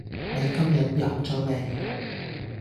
你今日飲咗未？